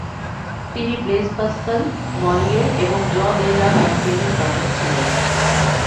তিনি Blaise Pascal, Moliere এবং Jean de La ফন্টেইনের পাঠক ছিলেন।